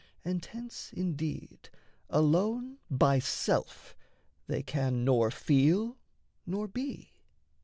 And hence indeed Alone by self they can nor feel nor be.